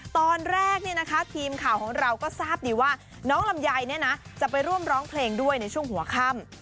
ตอนแรกทีมข่าวของเราก็ทราบดีว่าน้องลำไยจะไปร่วมร้องเพลงด้วยในช่วงหัวค่ำ